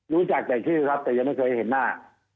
รู้จักแต่ชื่อครับแต่ยังไม่เคยเห็นหน้า